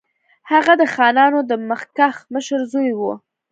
هغه د خانانو د مخکښ مشر زوی وو.